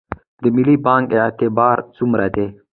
د ملي بانک اعتبار څومره دی؟